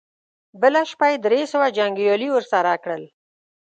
بله شپه يې درې سوه جنګيالي ور سره کړل.